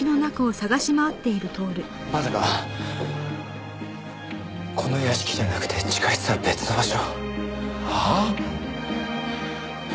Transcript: まさかこの屋敷じゃなくて地下室は別の場所？はあ？